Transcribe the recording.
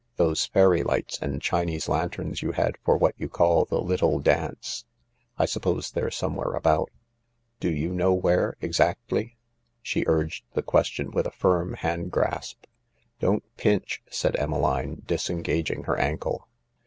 Those fairy lights and Chinese lanterns you had for what you called the ' little ' dance— I suppose they're somewhere about. Do you know where, exactly ?" She urged the question with a firm hand grasp, "Don't pinch," said Emmeline, disengaging her ankle.